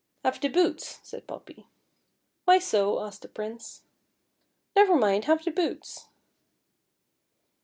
" Have the boots," said Poppy. "Why so.? " asked the Prince. "Never mind, have the boots."